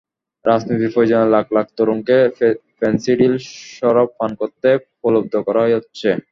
রাজনীতির প্রয়োজনে লাখ লাখ তরুণকে ফেনসিডিল শরাব পান করতে প্রলুব্ধ করা হচ্ছে।